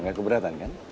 gak keberatan kan